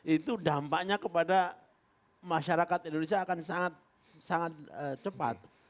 itu dampaknya kepada masyarakat indonesia akan sangat cepat